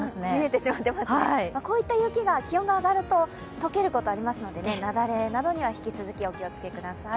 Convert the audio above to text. こういった雪が気温が上がると解けることがありますので雪崩などには引き続き、お気をつけください。